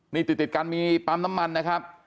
นี่ติดกันมีปั๊มน้ำมันนะครับ